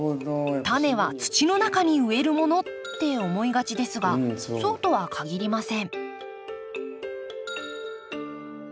タネは土の中に植えるものって思いがちですがそうとはかぎりません